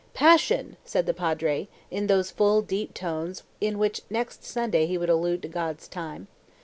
"Passion!" said the Padre, in those full, deep tones in which next Sunday he would allude to God's time.